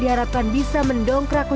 jaringan di mana mana